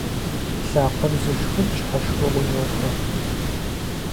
Лъакъуэ зышхыр щхьэ шхыгъуи йохуэ.